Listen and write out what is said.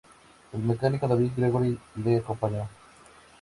El mecánico, David Gregory, le acompañó.